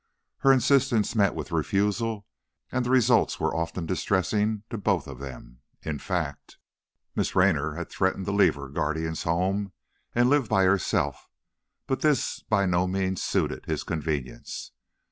Her insistence met with refusal and the results were often distressing to both of them. In fact, Miss Raynor had threatened to leave her guardian's home and live by herself, but this by no means suited his convenience.